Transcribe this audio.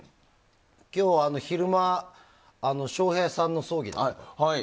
今日の昼間、笑瓶さんの葬儀で。